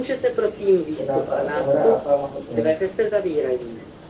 Kenapa, Zahra, apa maksudmu?